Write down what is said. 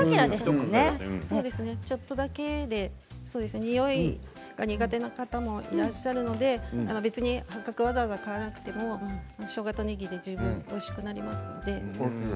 ちょっとだけでにおいが苦手な方もいらっしゃるので八角をわざわざ買わなくてもしょうがとねぎで十分おいしくなります。